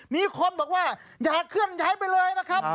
มีคนบอกว่าอย่าเคลื่อนย้ายไปเลยนะครับ